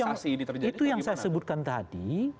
itu yang saya sebutkan tadi